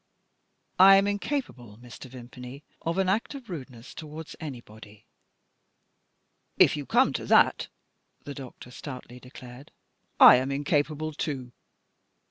"I am incapable, Mr. Vimpany, of an act of rudeness towards anybody." "If you come to that," the doctor stoutly declared, "I am incapable too.